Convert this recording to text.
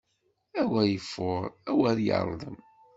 Awer ifuṛ, awer yeṛdem.